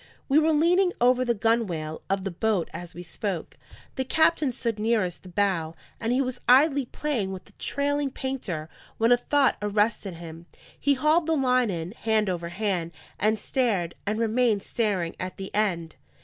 We were leaning over the gunwale of the boat as we spoke. The captain stood nearest the bow, and he was idly playing with the trailing painter, when a thought arrested him. He hauled the line in hand over hand, and stared, and remained staring, at the end.